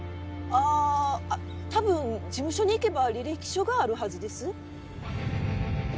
あ多分事務所に行けば履歴書があるはずです。